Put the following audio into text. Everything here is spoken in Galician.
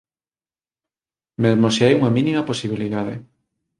Mesmo se hai unha mínima posibilidade